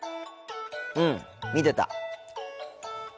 うん見てた。